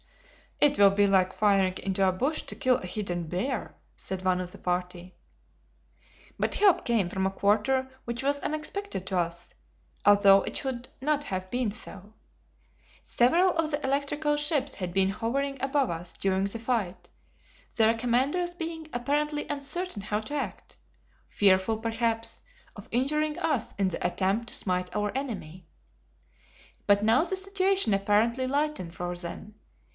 "It will be like firing into a bush to kill a hidden bear," said one of the party. But help came from a quarter which was unexpected to us, although it should not have been so. Several of the electric ships had been hovering above us during the fight, their commanders being apparently uncertain how to act fearful, perhaps, of injuring us in the attempt to smite our enemy. But now the situation apparently lightened for them.